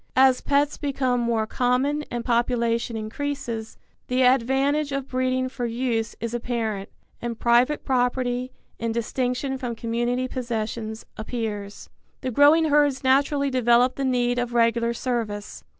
As pets become more common and population increases, the advantage of breeding for use is apparent, and private property, in distinction from community possessions, appears. The growing herds naturally develop the need of regular service.